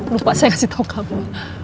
lupa saya kasih tau kamu